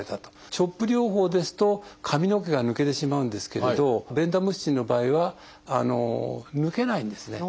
ＣＨＯＰ療法ですと髪の毛が抜けてしまうんですけれどベンダムスチンの場合は抜けないんですね。